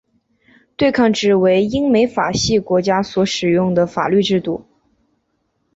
对抗制为英美法系国家所使用的法律制度。